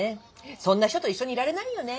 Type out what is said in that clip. そんな人と一緒にいられないよね！